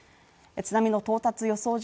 津波の到達予想